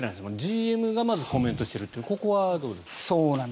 ＧＭがまずコメントしてるというここはどうですか？